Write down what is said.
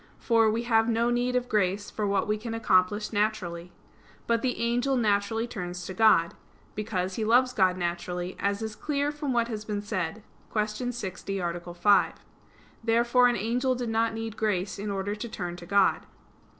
For, we have no need of grace for what we can accomplish naturally. But the angel naturally turns to God: because he loves God naturally, as is clear from what has been said (Q. 60, A. 5). Therefore an angel did not need grace in order to turn to God.